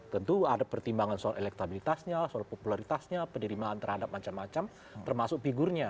tentu ada pertimbangan soal elektabilitasnya soal popularitasnya penerimaan terhadap macam macam termasuk figurnya